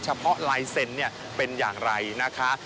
เฉพาะลายเซ็นต์เป็นอย่างไรนะคะ